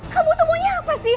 kamu itu punya apa sih